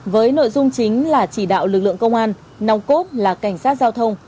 với nội dung chính là chỉ đạo lực lượng công an nòng cốt là cảnh sát giao thông